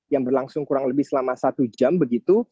yang berlangsung kurang lebih selama satu jam begitu